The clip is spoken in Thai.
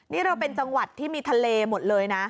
นี่เราเป็นจังหวัดที่มีทะเลหมดเลยนะ